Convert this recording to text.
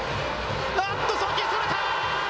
あっと、送球それた。